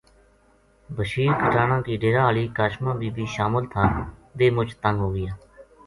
بشیر کھٹانہ کی ڈیرا ہالی کاشماں بی بی شامل تھا ویہ مُچ تنگ ہوگیا